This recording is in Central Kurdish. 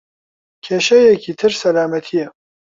کێشەیەکی تر سەلامەتییە.